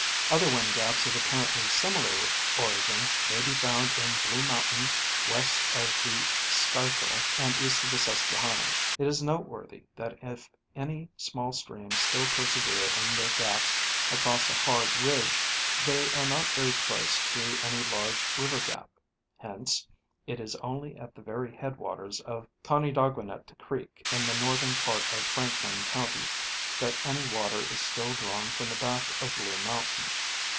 Other wind gaps of appar ently similar origin may be found in Blue mountain west of the Schuylkill and east of the Susquehanna. It is noteworthy that if any small streams still persevere in their gaps across a hard ridge, they are not very close to any large river gap ; hence it is only at the very headwaters of Conedogwinet creek, in the The Rivers and Valleys of Pennsylvania. 24:5 northern part of Franklin county, that any water is still drawn from the back of Blue mountain.